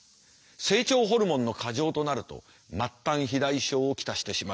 成長ホルモンの過剰となると末端肥大症を来してしまう。